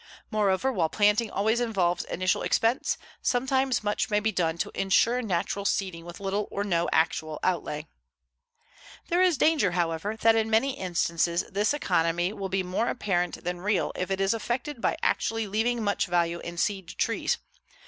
Moreover, while planting always involves initial expense, sometimes much may be done to insure natural seeding with little or no actual outlay. There is danger, however, that in many instances this economy will be more apparent than real if it is effected by actually leaving much value in seed trees.